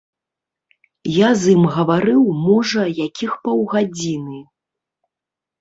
Я з ім гаварыў, можа, якіх паўгадзіны.